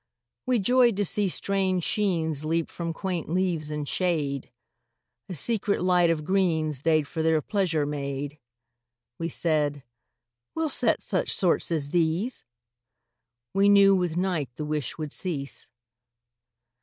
We joyed to see strange sheens Leap from quaint leaves in shade; A secret light of greens They'd for their pleasure made. We said: "We'll set such sorts as these!" —We knew with night the wish would cease.